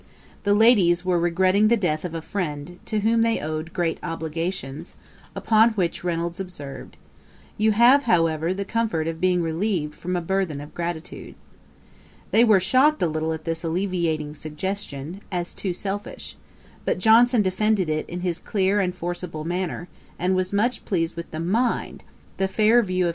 The ladies were regretting the death of a friend, to whom they owed great obligations; upon which Reynolds observed, 'You have, however, the comfort of being relieved from a burthen of gratitude.' They were shocked a little at this alleviating suggestion, as too selfish; but Johnson defended it in his clear and forcible manner, and was much pleased with the mind, the fair view of human nature, which it exhibited, like some of the reflections of Rochefaucault.